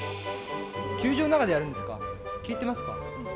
球場の中でやるんですか、聞いてますか？